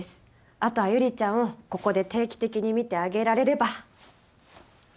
あとは悠里ちゃんをここで定期的に診てあげられれば。